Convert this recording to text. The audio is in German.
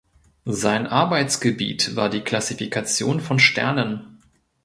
Sein Arbeitsgebiet war die Klassifikation von Sternen.